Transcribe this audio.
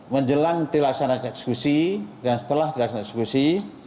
menjelang dilaksanakan eksekusi dan setelah dilaksanakan eksekusi